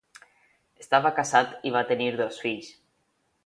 Estava casat i va tenir dos fills.